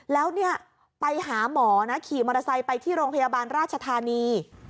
แล้วเนี่ยไปหาหมอนะขี่มอเตอร์ไซค์ไปที่โรงพยาบาลราชธานี